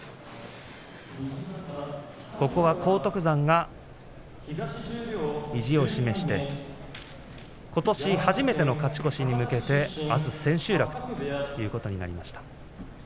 ここは荒篤山が意地を示してことし初めての勝ち越しに向けてあす千秋楽ということになります。